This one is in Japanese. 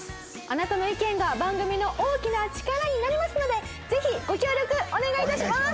あなたの意見が番組の大きな力になりますのでぜひご協力お願い致します！